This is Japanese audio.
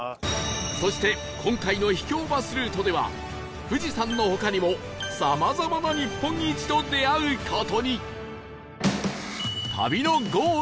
そして今回の秘境バスルートでは富士山の他にもさまざまな日本一と出会う事に